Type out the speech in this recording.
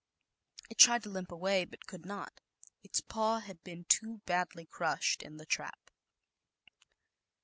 It tried to limp away, but could not; its paw had been too"\ badl^jCrushed in ie trap.